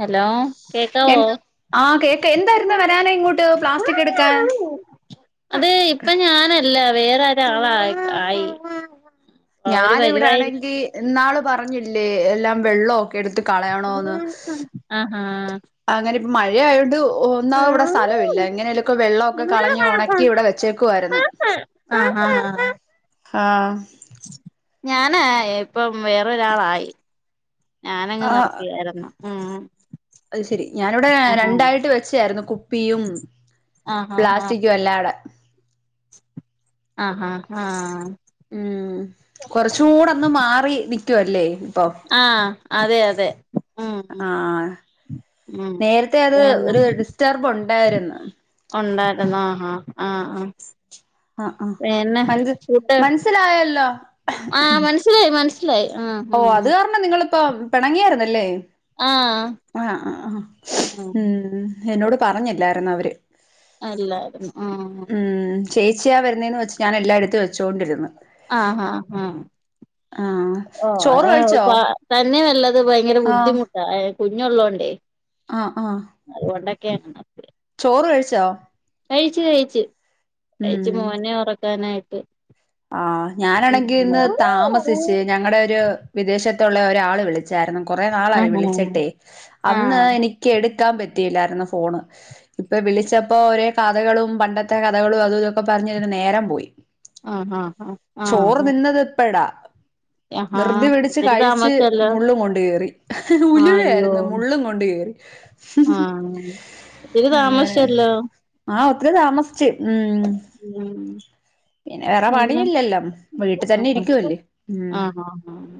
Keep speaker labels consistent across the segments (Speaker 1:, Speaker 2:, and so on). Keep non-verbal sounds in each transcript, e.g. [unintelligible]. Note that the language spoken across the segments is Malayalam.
Speaker 1: ഹലോ കേക്കാവോ?
Speaker 2: കേക്കാ എന്തായിരുന്നു വരാനായി ഇങ്ങോ -
Speaker 1: അത് ഇപ്പ ഞാനല്ല വേറോരാളായി. ആയി. അവര്
Speaker 2: ഞാനിവിടെ
Speaker 1: വരുവായിരിക്കും
Speaker 2: ആണെങ്കിൽ ന്നാള് പറഞ്ഞില്ലേ എല്ലാം വെള്ളമൊക്കെ- എടുത്ത് കളയണോന്ന്
Speaker 1: ആഹാ
Speaker 2: അങ്ങനെ ഇപ്പോ മഴയായൊണ്ട് - ഒന്നാവത് ഇവിടെ സ്ഥലം ഇല്ല എങ്ങനെലക്കും വെള്ളമൊക്കെ കളഞ്ഞ് ഉണക്കി ഇവിടെ വെച്ചേക്കുവായിരുന്നു. ആ
Speaker 1: ഞാന ഇപ്പം വേറൊരാളായി. ഞാനങ്ങ്
Speaker 2: ആഹ്
Speaker 1: നിർത്തിയായിരുന്നു. ഉം
Speaker 2: അത് ശെരി ഞാനിവിടെ
Speaker 1: ആഹാ
Speaker 2: രണ്ടായിട്ട് വെച്ചായിരുന്നു കുപ്പിയും-
Speaker 1: ആഹാ ഹാ
Speaker 2: പ്ലാസ്റ്റിക്കും എല്ലാടെ
Speaker 1: [inaudible] ഹാ
Speaker 2: ഉം കൊറച്ചൂടെ ഒന്ന് മാറി നിക്കുവല്ലേ ഇപ്പൊ
Speaker 1: ആഹ അതെ അതെ ഉം
Speaker 2: ആഹ
Speaker 1: ഉം
Speaker 2: നേരത്തെ അത്
Speaker 1: പിന്നെ
Speaker 2: ഒരു ഡിസ്റ്റർബ് ഉണ്ടായിരുന്നു
Speaker 1: ഉണ്ടായിരുന്നു ആഹ ആഹ ആ ആഹ
Speaker 2: ആഹ് ആഹ്
Speaker 1: പിന്നെ
Speaker 2: മൻസ്
Speaker 1: ചൂട്ട്
Speaker 2: മനസ്സിലായല്ലോ
Speaker 1: ആഹ മനസിലായി മനസ സിലായി ആ ഉം ഉം
Speaker 2: ഇപ്പം പിണങ്ങിയായിരുന്നല്ലേ
Speaker 1: ആഹ്
Speaker 2: ആ ആ ആ
Speaker 1: ആഹ്
Speaker 2: ഉം എന്നോട് പറഞ്ഞില്ലായിരുന്ന അവര്
Speaker 1: അല്ലായിരുന്നു ആ
Speaker 2: ചേച്ചിയ വരുന്നെന്ന് വച്ച് ഞാൻ എല്ലായിടത്തു വെച്ചുകൊണ്ടിരുന്നു
Speaker 1: ആഹ ആഹ് ആഹ്
Speaker 2: ആഹ്
Speaker 1: ഓ
Speaker 2: ചോറ് കഴിച്ചോ
Speaker 1: തന്നെയ വരുന്നത്ത് ഭയങ്കര ബുദ്ധിമുട്ട കുഞ്ഞള്ളോണ്ടേ
Speaker 2: ആഹ ആഹ
Speaker 1: [unintelligible] കഴിച്ചു കഴിച്ചു കഴിച്ചു മോനെ ഉറക്കാനായിട്ട്
Speaker 2: ആ ഞാനാണെങ്കിൽ ഇന്ന് താമസിച്ച് ഞങ്ങടെ ഒരു വിദേശത്തുള്ള ഒരാള വിളിച്ചായിരുന്നു കൊറേ നാളായി
Speaker 1: ആഹ്
Speaker 2: വിളിച്ചിട്ടെ
Speaker 1: ആഹ്
Speaker 2: അന്ന് എനിക്ക് എടു ക്കാൻ പറ്റില്ലായിരുന്നു ഫോണ് ഇപ്പോ വിളിച്ചപ്പോ ഒരേ കഥകളും പണ്ടത്തെ കഥകളും അതും ഇതൊക്കെ പറഞ്ഞ പറഞ്ഞിരുന്ന് നേരം പോയി
Speaker 1: ആഹ് ആഹ്
Speaker 2: ചോറ്
Speaker 1: ആഹ്
Speaker 2: തിന്നത് ഇപ്പടാ
Speaker 1: ആഹാ
Speaker 2: ധൃതി പിടിച്ച്
Speaker 1: ഒത്തിരി
Speaker 2: കഴിച്ച്
Speaker 1: താമസിച്ചല്ലോ
Speaker 2: മുള്ളും കൊണ്ട് കേയറി
Speaker 1: ആഹ് അയ്യോ
Speaker 2: ഉലുവായിരുന്നു മുള്ളും കൊണ്ട് കേയറി
Speaker 1: ആഹ് ഒത്തിരി
Speaker 2: അങ്ങനെ
Speaker 1: താമസിച്ചല്ലോ
Speaker 2: ആ ഒത്തിരി താമസിച്ച് ഉം
Speaker 1: ഉം
Speaker 2: [inaudible] പിന്നെ വേറെ
Speaker 1: പിന്നെ
Speaker 2: പണിയില്ലല്ലോ വീട്ടു തന്നെ ഇരിക്കുവല്ലേ ഉം
Speaker 1: ആഹ് ആഹ് ആഹ്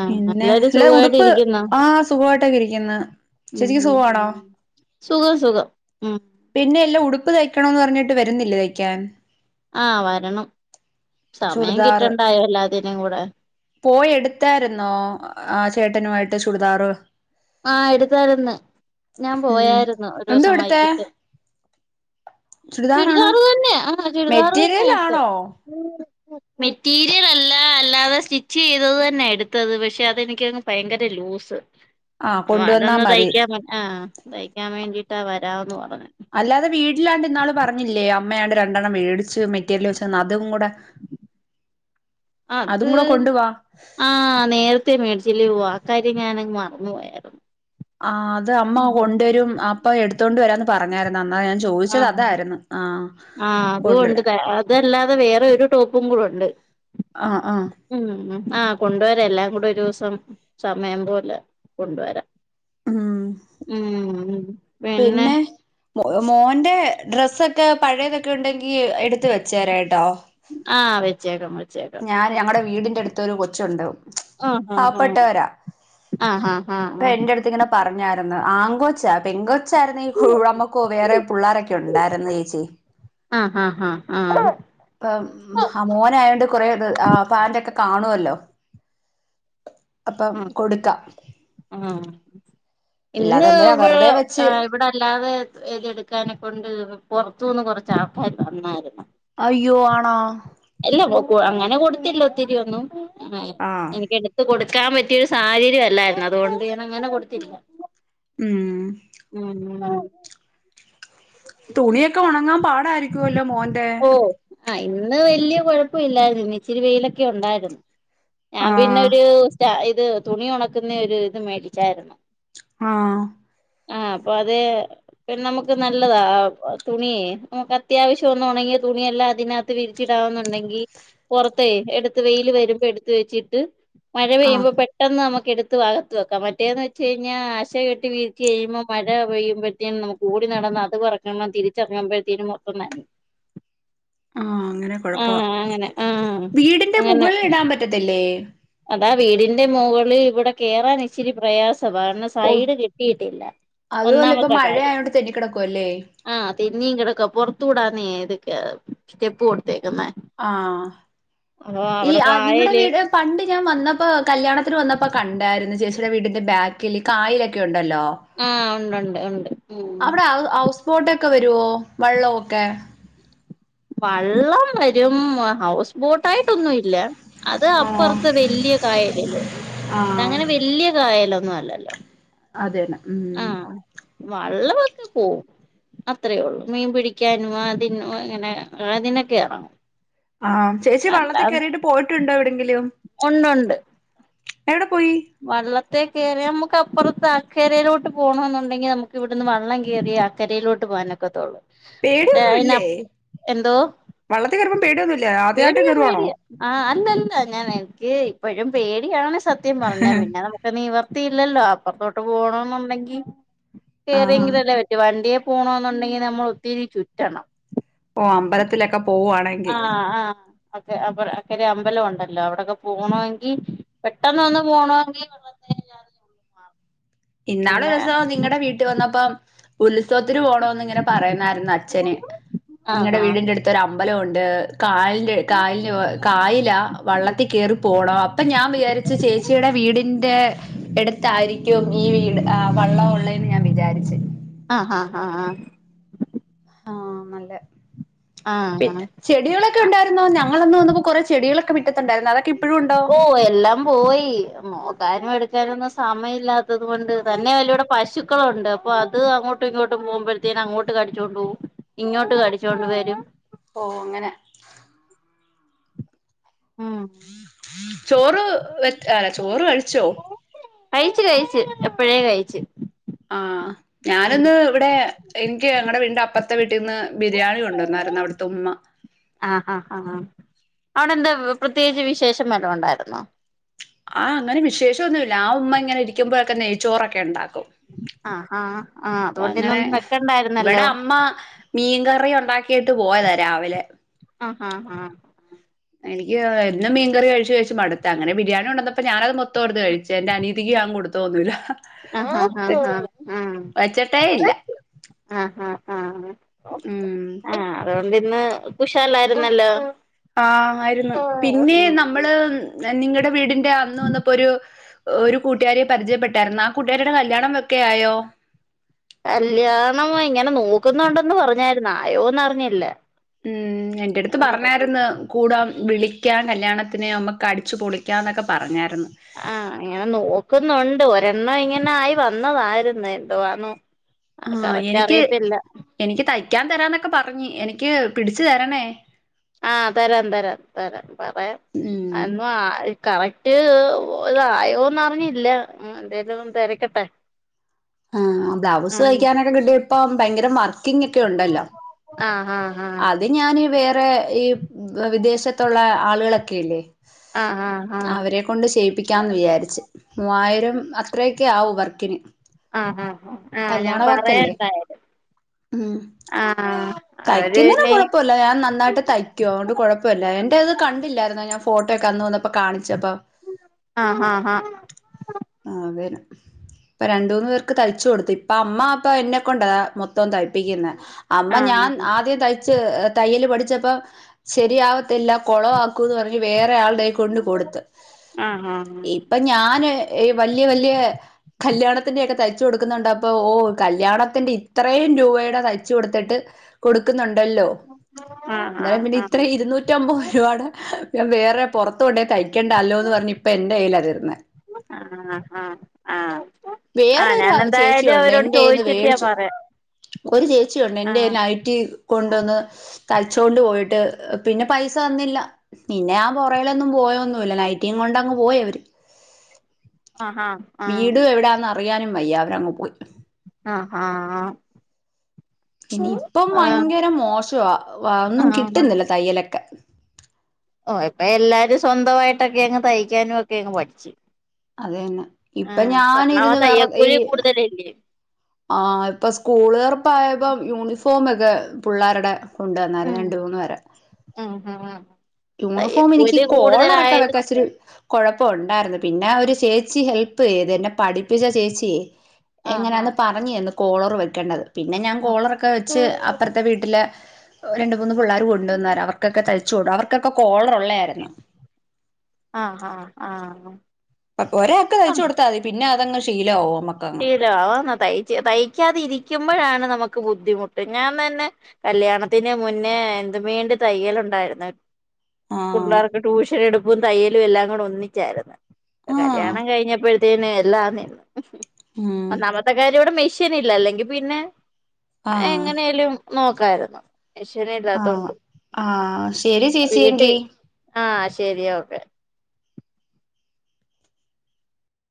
Speaker 1: ആഹ്
Speaker 2: പിന്നെ
Speaker 1: എല്ലാരും
Speaker 2: അല്ല
Speaker 1: സുഖമായിട്ട്
Speaker 2: ഉടുപ്പ്
Speaker 1: ഇരിക്കുന്നോ
Speaker 2: ആ സുഖമായിട്ടൊക്കെ ഇരിക്കുന്നേ
Speaker 1: ഉം ഉം സുഖം സുഖം ഉം
Speaker 2: പിന്നെ എല്ലാം ഉടുപ്പ് തയ്ക്കണന്ന് പറഞ്ഞിട്ട് വരുന്നില്ലേ തയ്ക്കാൻ
Speaker 1: ആ വരണം സമയം
Speaker 2: ചുരിദാർ
Speaker 1: കിട്ടണ്ടായോ എല്ലാത്തിനും കൂടെ
Speaker 2: പോയി എടുത്തായിരുന്നോ ആ ചേട്ടനു ആയിട്ട് ചുടെതാറ്
Speaker 1: ആ എടുത്തായിരുന്നു ഞാൻ
Speaker 2: ഉം
Speaker 1: പോയായിരുന്നു ഒരു
Speaker 2: എന്തോ
Speaker 1: ദിവസം
Speaker 2: എടുത്തെ
Speaker 1: വൈകിട്ട്
Speaker 2: ചുടിദാറാണോ
Speaker 1: ചുരിദാറ് തന്നെ ആഹ ചുരിദാറ് തന്നെയ
Speaker 2: മെറ്റീരിയൽ
Speaker 1: എടുത്തേ
Speaker 2: ആണോ
Speaker 1: മെറ്റീരിയൽ അല്ല അല്ലാതെ സ്റ്റിച്ച് ചെയ്തത് തന്നെ എടുത്തത് പക്ഷെ അതെനിക്കങ് ഭയങ്കര ലൂസ്
Speaker 2: ആഹ്
Speaker 1: അപ്പ
Speaker 2: കൊണ്ടുവന്നാ
Speaker 1: അതൊന്ന്
Speaker 2: മതി
Speaker 1: തയ്ക്കാൻ ആ തയ്ക്കാൻ വേണ്ടിട്ടാ വരാമെന്ന് പറഞ്ഞത്
Speaker 2: അല്ലാതെ വീട്ടിലാണ്ട് ഇന്നാള് പറഞ്ഞില്ലയോ അമ്മയാണ്ട് രണ്ടെണ്ണം മേടിച്ച് മെറ്റീരിയൽ വെച്ചു തന്നു അതും കൂടെ അതും
Speaker 1: അത്
Speaker 2: കൂടെ കൊണ്ടുവാ
Speaker 1: ആ നേരത്തെ മേടിച്ചിലൂവാ കാര്യം ഞാനങ്ങ് മറന്നു പോയായിരുന്നു
Speaker 2: ആ അത് അമ്മ കൊണ്ടുവരും അപ്പം എടുത്തോണ്ട് വരാന്ന് പറഞ്ഞായിരുന്നു അ
Speaker 1: ആ ആ
Speaker 2: കൊണ്ട്
Speaker 1: അതുണ്ട് അതല്ലാതെ വേറെ ഒരു ടോപ്പും കൂടെണ്ട് ണ്ട്
Speaker 2: ആഹ ആഹ
Speaker 1: ആ കൊണ്ടുവരാം എല്ലാം കൂടി ഒരു ദിവസം സമയം പോലെ കൊണ്ടുവരാം
Speaker 2: ഉം
Speaker 1: ഉം ഉം
Speaker 2: പിന്നെ മോന്റെ ഡ്രസ്സൊക്കെ പഴയതൊക്കെ ഉണ്ടെങ്കിൽ എടുത്ത് വെച്ചേരാട്ടോ
Speaker 1: ആഹ് വെച്ചേക്കാൻ
Speaker 2: ഞാൻ ഞങ്ങളടെ വീടിന്റെ അടുത്തൊരു കൊച്ചുണ്ട്
Speaker 1: ആഹ് ആഹ്
Speaker 2: പാവപ്പെട്ടവരാ
Speaker 1: ആഹ് ആഹ്
Speaker 2: അപ്പ എന്റെ അടുത്ത് ഇങ്ങനെ പറഞ്ഞായിരുന്ന ആൺകൊച്ചാ പെൺ ച്ചരുന്നേ ക്കു നമുക്ക് വേറെ പിള്ളോരൊക്കെ ഉണ്ടായിരുന്നു ചേച്ചി
Speaker 1: ആഹ് ആഹ് ആഹ് ആഹ് ആഹ് ആഹ്
Speaker 2: ഇപ്പ മോനായോണ്ട് ആഹ് പാന്റ്ക്കെകാണുവല്ലോ അപ്പം
Speaker 1: ആഹ്
Speaker 2: കൊടുക്കാം
Speaker 1: ആഹ്
Speaker 2: ഇല്ലാതെ
Speaker 1: ഇന്ന്
Speaker 2: എന്തിനാ
Speaker 1: ഇവിടെ
Speaker 2: വെറുതെ വെച്ച്
Speaker 1: ഇവിടെ അല്ലാതെ ഇത് എടുക്കാനെക്കൊണ്ട് പുറത്തുനിന്ന് കൊറച്ച് ചപ്പായി വന്നായിരുന്നു
Speaker 2: അയ്യോ ആണോ
Speaker 1: ഇല്ല അങ്ങനെ കൊടുത്തില്ല ഒത്തിരി ഒന്നും
Speaker 2: ആഹ്
Speaker 1: എനിക്ക് എടുത്ത് കൊ ക്കാൻ പറ്റിയരു സാഹചര്യ അല്ലായിരുന്നു അതുകൊണ്ട് ഞൻങ്ങനെ കൊടുത്തില്ല
Speaker 2: ഉം
Speaker 1: ഉം
Speaker 2: തുണിയൊക്കെ ഉണങ്ങാൻ പാടായിരിക്കുവല്ലോ മോന്റെ
Speaker 1: ആഹ് ഇന്ന് വലിയ കുഴപ്പമല്ലായിരുന്നു ഇച്ചിരി വെയിലൊക്കെ ഉണ്ടായിരുന്നു ഞാൻ
Speaker 2: ആഹ്
Speaker 1: പിന്നെരു സ്റ്റ ഇത് തുണി ഉണക്കുന്ന ഒരു ഇത് മേടിച്ചായിരുന്നു
Speaker 2: ആഹ്
Speaker 1: ആഹ് അപ്പൊ അത് പിന്നെ നമുക്ക് നല്ലതാ തുണിയേ നമുക്ക് അത്യാവശ്യം ഒന്നു ഉണങ്ങിയ തുണിയെല്ലാം അതിനകത്ത് വിരിച്ചിടാവുന്നുണ്ടെങ്കിൽ പൊറത്ത് എടുത്ത് വെയിയില് വരുമ്പോ എടുത്ത് വെച്ചിട്ട് മഴ
Speaker 2: ആഹ്
Speaker 1: പെയ്യുമ്പോ പെട്ടെന്ന് നമു ക്ക് എടുത്ത് അകത്ത് വെക്കാം മറ്റേന്ന് വെച്ച് കഴിഞ്ഞാൽ അശ കെട്ടി വിരിച്ച് കഴിയുമ്പോൾ മഴ പെയ്യുമ്പോത്തേന്നും നമുക്ക് ഓടി നടന്ന അത് പറക്കണം തിരിച്ചറങ്ങുമ്പഴത്തേന് മൊത്തം നനയും
Speaker 2: ആഹ് അങ്ങനെ കൊഴപ്പ
Speaker 1: ആഹ് അങ്ങനെ ആഹ്
Speaker 2: വീടിന്റെ
Speaker 1: അങ്ങനെ
Speaker 2: മുകളിൽ ഇടാൻ പറ്റത്തില്ലേ
Speaker 1: അതാ വീടിന്റെ മോളിൽ ഇവിടെ കേറാൻ ഇച്ചിരി പ്രയാസ മാണ്
Speaker 2: ഓ
Speaker 1: സൈഡ് കെട്ടിട്ടില്ല
Speaker 2: അതുപോലെ ഇപ്പൊ
Speaker 1: ഒന്നാമത്തെ കാര്യം
Speaker 2: മഴയായോണ്ട് തെന്നിക്കിടക്കുവല്ലേ
Speaker 1: ആഹ് നീ കിടക്ക പുറത്തൂടാന്നെ ഇതൊക്കെ സ്റ്റെപ്പ് കൊടുത്തേ
Speaker 2: ആഹ് ഈ
Speaker 1: അവിടെ
Speaker 2: ആ നിങ്ങളടെ
Speaker 1: പായല്
Speaker 2: വീട് പണ്ട് ഞാൻ വന്നപ്പോ കല്യാണത്തിന് വന്നപ്പോ കണ്ടായിരുന്നു ചേച്ചിയുടെ വീടിന്റെ ബാക്കിൽ കായലൊക്കെ ഉ ണ്ടല്ലോ
Speaker 1: ഉണ്ട് ഉണ്ട് ഉണ്ട് ഉം
Speaker 2: അവിടെ ഹൗ ഹൗസ് ബോട്ടൊക്കെ വരുവോ വള്ളമൊക്കെ
Speaker 1: വള്ളം വരും ഹൗസ് ബോട്ട് ആയിട്ടൊന്നും ഇല്ല അത്
Speaker 2: ആഹ്
Speaker 1: അപ്പുറത്തെ വല്യ കായലില്ലേ ഇത്
Speaker 2: ആഹ്
Speaker 1: അങ്ങനെ വല്യ കായലൊന്നും അല്ലല്ലോ
Speaker 2: അതന്നെ ഉം
Speaker 1: ആഹ് വള്ളമൊക്കെ പോവും അത്രേയുള്ളൂ മീൻ പിടിക്കാനും അതിന് അങ്ങനെ അതിനെക്കേറങ്ങും
Speaker 2: ആഹ് ചേച്ചി വള്ളത്തിൽ കയറിയിട്ട് പോയിട്ടുണ്ടോ എവിടെങ്കിലും എവിടെ പോയി
Speaker 1: വള്ള ത്തേ കേറി നമുക്ക് അപ്പുറത്ത് അക്കരയിലോട്ട് പോകണംമുണ്ടെങ്കിൽ നമുക്ക് ഇവിടുന്ന് വെള്ളം കയറി അക്കരയിലോട്ട് പോവാനൊക്കത്തോളു
Speaker 2: പേടിന്നുംല്ലേ
Speaker 1: എന്തോ
Speaker 2: ആദ്യായിട്ട്
Speaker 1: പേടിയ
Speaker 2: കേറുവാണോ
Speaker 1: പേടിയ ആഹ് അല്ല അല്ല ഞാൻ എനിക്ക് ഇപ്പഴും പേടിയാണ്‌ സ പിന്നെ പിന്നെ നമുക്ക് നിവർത്തിയില്ലല്ലോ അപ്പറത്തോട്ട് പോണന്നുണ്ടെങ്കിൽ
Speaker 2: ആഹ്
Speaker 1: കേറിയെങ്കിലല്ലേ പറ്റു വണ്ടിയെ പോണോന്നുണ്ടെങ്കിൽ നമ്മൾ ഒത്തിരി ചുറ്റണം
Speaker 2: ഓ അമ്പലത്തിലൊക്കെ പോവുവാണെ
Speaker 1: ആഹ് ആഹ് ക്കെ അ അക്കരേ അമ്പലം ഉണ്ടല്ലോ അവിടെക്കെ പോണമെങ്കിൽ പെട്ടന്ന് വന്ന് പോണമെങ്കിൽ പിന്നെ
Speaker 2: ഇന്നാളൊരുസം നിങ്ങടെ വീട്ടിൽ വന്നപ്പം ഉത്സവ ഒത്തി പോണോന്ന് ഇങ്ങനെ പറയുന്നായിരുന്നു അച്ഛന്
Speaker 1: ആഹ്
Speaker 2: നിങ്ങളടെ വീടിന്റെ അടുത്ത്ഒരു അമ്പലണ്ട്. കാൽന്റെ കായ്ല് കായിലാ വള്ളത്തി കേറി പോണം അപ്പൊ ഞാൻ വിചാരിച്ചു ചേച്ചീടെ വീടി ന്റെ എടുത്താരിക്കും ഈ വീട് ആ വള്ളം ഓള്ളേന്ന് ഞാൻ വിചാരിച്ചു.
Speaker 1: ആഹ് ആഹ് ആഹ് ആഹ്
Speaker 2: ആഹ് നല്ല
Speaker 1: ആഹ്
Speaker 2: പിന്നെ
Speaker 1: ആഹ്
Speaker 2: ചെട്യളൊക്കെ ഒണ്ടാരുന്നോ ഞങ്ങളന്ന് വന്നപ്പോ കൊറേ ച് ടികളൊക്കെ മിറ്റത്തുണ്ടായിരുന്നു അതൊക്കെ ഇ
Speaker 1: ഓ എല്ലാം പോയി നോക്കാനും എടിക് കാനൊന്നും സമയല്ലാത്തത് കൊണ്ട് തന്നേവല്ല ഇവിടെ പശുക്കളൊണ്ട് അപ്പൊ അത് അങ്ങോട്ടും ഇങ്ങോട്ടും പോമ്പഴ്ത്തേ നങ്ങോട്ട് കടിച്ചുണ്ടോവും ഇങ്ങോട്ട് കടിച്ചോണ്ട് വരും.
Speaker 2: ഓ അങ്ങനെ.
Speaker 1: ഉം
Speaker 2: ചോറ് വ അല്ല ചോറ് കഴിച്ചോ?
Speaker 1: കഴിച്ചു കഴച്ച് എപ്പഴേ കഴിച്ച്.
Speaker 2: ആഹ്
Speaker 1: ഉം
Speaker 2: ഞാനിന്ന് ഇവടെ എനിക്ക് ഞങ്ങടെ വീടിന്റെ അപ്പർ ഉമ്മ
Speaker 1: ആഹ് ആ ആ അ അവിടെ എന്താ? പ്രത്യേകിച്ച് വിശേഷം വലോം ഒണ്ടാരുന്നോ?
Speaker 2: ആ അങ്ങനെ വിശേഷൊന്നുല്ല ആ ഉമ്മ ഇങ്ങനെ ഇരിക്കുമ്പഴക്കെ നെയ്ച്ചോറൊക്കെണ്ടാക്കും.
Speaker 1: ആഹ് ആഹ് ആഹ് അതുകൊണ്ട്
Speaker 2: അങ്ങനെ
Speaker 1: ഇന്നൊന്നും
Speaker 2: ഇവടെ
Speaker 1: വെക്കണ്ടായിരുന്നല്ലോ
Speaker 2: അമ്മ മീൻകറി ഒണ്ടാക് കീട്ട് പോയതാ രാവിലെ.
Speaker 1: ആ ആഹ് ആഹ്
Speaker 2: എനിക്ക് എന്നും മീൻ കറി കഴിച്ച് കഴിച്ച് മട്ത്ത് അങ്ങനെ ബിരിയാണി കൊണ്ടന്നപ്പോ ഞാനത് മൊത്തോട്ത്ത് കഴി ചേ എന്റെ അനിയതിക്ക് ഞാൻ കൊടുത്തോന്നൂല്ല.
Speaker 1: ആഹ് ഹ ഹ ആ
Speaker 2: വെച്ചിട്ടേ ഇല്ല
Speaker 1: ആഹ് ആഹ് ആഹ്
Speaker 2: ഉം
Speaker 1: ആഹ് അതോ ഇന്ന് കുഷാലായിരുന്നല്ലോ.
Speaker 2: ആ ആയിരുന്നു പിന്നെ നമ്മള് നിങ്ങടെ വീടിന്റെ അന്ന് വന്നപ്പോരു ഒരു കൂട്ടാര്യെ പരിചയപ്പെട്ടായ്ര്ന്ന ആ കൂട്ടാരീടെ കല്യാണം വെക്കെ ആയോ?
Speaker 1: കല്യാണം ഇങ്ങനെ നോക്കുന്നൊണ്ടെന്ന് പറഞ്ഞാരുന്നു ആയോന്നർഞ്ഞില്ല.
Speaker 2: ഉം എന്റെടുത്ത് പർഞ്ഞാരുന്നു കൂടാ വിളിക്കാൻ കല്യാണത്തിന് അമ്മക്ക് അടിച്ചു പൊളിക്കാന്നൊക്കെ പർഞ്ഞാ
Speaker 1: ആഹ് ഇങ്ങനെ നോക്കുന്നൊണ്ട് ഒരെണ്ണം ഇങ്ങനെ ആയി വന്നതാര്ന്ന് എന്തുവാന്നോ
Speaker 2: ആഹ്
Speaker 1: കറക്റ്റ്
Speaker 2: എനിക്ക്
Speaker 1: അറിയത്തില്ല
Speaker 2: എനിക്ക് തയ്ക്കാൻ തരാന്നൊക്കെ പർ ഞ്ഞി എനിക്ക് പിടിച്ച് തരണേ
Speaker 1: ആഹ് തരാം തരാം തരാം പറയാം
Speaker 2: ഉം
Speaker 1: അന്നും ആയ് കറക്റ്റ് ഇതായോന്നർഞ്ഞില്ല എന്തേലും ഒന്ന് തെരക്കട്ടെ.
Speaker 2: ആ ബ്ലൗസ് തലക്കാനൊക്കെ കിട്ട്യ ഇപ്പ ഭയ്ങ്കര വർക്കിങൊക്കെ ഒണ്ടല്ലോ.
Speaker 1: ആഹ് ആഹ് ആഹ്
Speaker 2: അത് ഞാന് വേറെ ഈ വിദേശത്തൊള്ള ആളുകളൊക്കെ ഇല്ലേ?
Speaker 1: ആഹ് ആഹ് ആഹ്
Speaker 2: അവരെ കൊണ്ട് ചെയ്യിപ്പിക്കാന്ന് വിചാരിച്ച് മൂവായിരം അത്രെ ക്ക്യേവും വർക്കിന്.
Speaker 1: ആഹ് ആഹ് ആഹ് ഞാൻ
Speaker 2: കല്യാണ വർക്കല്ലേ
Speaker 1: പറയന്തായാലും ആഹ് അവര്
Speaker 2: തയ്ക്കുന്നേന്
Speaker 1: പിന്നെ
Speaker 2: കൊഴപ്പോല്ല ഞാൻ നന്നായിട്ട് തയ്ക്കും അതോണ്ട് കൊഴപ്പൊല്ല എന്റെത് കണ്ടില്ലാരുന്നോ ഞാൻ ഫോട്ടോയ്ക്കെ അന്ന് വന്നപ്പ കാണിച്ചപ്പം
Speaker 1: ആഹ് ആഹ്
Speaker 2: ഇപ്പ രണ്ട് മൂന്ന് പേർക്ക് തയ്ച്ചു കൊടുത്തു ഇപ്പ അമ്മ അപ്പ എന്നെ കൊണ്ടാ മൊത്തോം തയ്പ്പിക്കുന്നേ. അമ്മ
Speaker 1: ആഹ്
Speaker 2: ഞാൻ ആദ്യം തയ്ച്ച് തയ്യല് പഠിച്ചപ്പ ശരിയാവത്തില്ല കൊളവാ ക്കൂന്ന് പർഞ്ഞ് വേറെ ആൾടെ കൊണ്ട് കൊടുത്ത്.
Speaker 1: ആഹ് ആഹ് ആഹ്
Speaker 2: ഇപ്പൊ ഞാന് ഈ വല്യ വല്യ കല്യാണത്തിന്റോക്കെ തയ് ച്ച് കൊടുക്കുന്നുണ്ടപ്പോ ഓ കല്യാണത്തിന്റെ ഇത്രേം രൂപേടെ തയ്ച്ച് കൊട്ത്ത്ട്ട് കൊട്ക്ക്‌ന്നു ണ്ടല്ലോ
Speaker 1: ആഹ് ആഹ് ആഹ്
Speaker 2: ന്നാലും
Speaker 1: ആഹ് ആഹ്
Speaker 2: പിന്നെ ഇത്രേം ഇരുന്നൂറ്റമ്പത് രുപാടെ വേറെ പൊർത്ത് കൊണ്ടോ തയ്ക്കണ്ടാല്ലോന്ന് പർഞ് പ്പൊ എന്റെ കയ്യ്ലാ തെര്ന്നെ
Speaker 1: ആ ആ ആ ആ
Speaker 2: വേറൊരു
Speaker 1: ഞാനെന്തായാലും
Speaker 2: ചേച്ചിയുണ്ട്
Speaker 1: അവരോട്
Speaker 2: എന്റെന്ന്
Speaker 1: ചോയ്ച്ച്ട്ട് ഞാൻ
Speaker 2: വേടിച്ചു
Speaker 1: പറയാ
Speaker 2: ഒരു ചേച്ചിയുണ്ട് എന്റെറ ലൈറ്റി കൊണ്ടുന്ന് കൽച്ചൊണ്ട് പോയിട്ട്. പിന്നെ പൈസ തന്നില്ല. പിന്നെ ഞാൻ പുറകയിലൊന്നും പോയൊന്നുല്ല. നൈറ്റിം കൊണ്ടങ്ങ് പോയവര്.
Speaker 1: ആഹ ആ
Speaker 2: പറയാനും വയ്യ. അവരങ്ങ്പോ
Speaker 1: ആ ആ ആ
Speaker 2: ഇനി ഇപ്പം വയങ്കര മോശവാ. വ ഒന്നും
Speaker 1: ആഹ്
Speaker 2: കിട്ടുന്നില്ല തയ്യലൊക്കെ.
Speaker 1: ഓ ഇപ്പ എല്ലാരും സ്വന്തമായിട്ടൊക്കെങ്ങ് തയ്ക്കാനും ഒക്കെങ്ങ് പഠിച്ച്.
Speaker 2: അത് തന്നെ
Speaker 1: ആ
Speaker 2: ഇപ്പൊ
Speaker 1: പർഞ്ഞപോലെ
Speaker 2: ഞാനിരുന്ന് വേറെ ഈ
Speaker 1: തയ്യക്കൂലിം കൂടുതലല്ലേ?
Speaker 2: ആ ഇപ്പോ സ്കൂൾതോർപ്പായപ്പം യൂണിഫോമൊക്കെ പുള്ളാരുടെ കൊണ്ടന്നായിരുന്നു
Speaker 1: ഉം
Speaker 2: രണ്ട് മൂന്ന്പേര്.
Speaker 1: ഉം ഉം
Speaker 2: യൂണിഫോം എനിക്ക്
Speaker 1: തയ്യക്കൂലി
Speaker 2: കോളറൊക്കെ
Speaker 1: കൂടുതലായത് കൊണ്ട്
Speaker 2: വെക്കാച്ചിരി കുഴപ്പ ഒണ്ടായിരുന്നു. പിന്നെ ഒരു ചേച്ചി ഹെൽപ്പ് ചെയ്ത് എന്നെ പഠിപ്പിച്ച ചേച്ചിയേ
Speaker 1: ആഹ്
Speaker 2: എങ്ങനാന്ന് പറഞ്ഞ്തന്ന് കോളറ് വെക്കണ്ടത്. പിന്നെ ഞാൻ
Speaker 1: ആഹ്
Speaker 2: കോളറൊക്കെ വെച്ച് അപ്പറത്തെ വീട്ടിലെ രണ്ട് മൂന്ന് പിള്ളേര് കൊണ്ടന്നേരം അവർക്കൊക്കെ തയ്ച്ചു കൊടു അവർക്കൊക്കെ കോളർ ഒള്ള
Speaker 1: ആ ആ ആ
Speaker 2: അപ്പോ ഒരാക്ക് തയ്ച്ചു കൊടുത്താ മതി. പിന്നെ അതങ്ങ് ശീലാവും.
Speaker 1: ശീലാവും ന്നാ തയ്ച്ച് തയ്ക്കാതിരിക്കുമ്പോഴാണ് ന മക്ക് ബുദ്ധിമുട്ട്. ഞാൻ തന്നെ കല്യാണത്തിന് മുന്നേ എന്ത്‌ [unintelligible] തയ്യലുണ്ടായിരന്നു.
Speaker 2: ആഹ്
Speaker 1: പുള്ളേർക്ക് ട്യൂഷൻ എടുപ്പും തയ്യലും എല്ലാം കൂടെ ഒന്നിച്ചായിരുന്നു.
Speaker 2: ആഹ്
Speaker 1: കല്യാണം കഴിഞ്ഞപ്പഴത്തേന് എല്ലാം നി [inaudible]
Speaker 2: ഉം
Speaker 1: ഒന്നാമത്തെക്കാര്യം ഇവിടെ മെഷീ നില്ല. അല്ലെങ്കി പിന്നെ
Speaker 2: ആഹ്
Speaker 1: എങ്ങനെയേലും നോക്കായിരുന്നു.
Speaker 2: ആഹ്
Speaker 1: മിഷ്യനില്ലാത്തോണ്ട്
Speaker 2: ആഹ് ശരി
Speaker 1: വീട്ടിൽ
Speaker 2: ചേച്ചിയെങ്കി
Speaker 1: ആ ശരി ഓക്കെ.